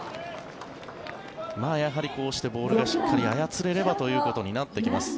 やはりこうしてボールをしっかり操れればということになっていきます。